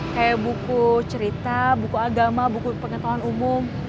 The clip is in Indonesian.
kayak buku cerita buku agama buku pengetahuan umum